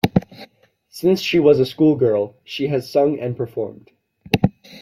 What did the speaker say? Since she was a schoolgirl she has sung and performed.